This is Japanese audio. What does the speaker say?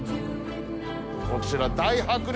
こちら大迫力。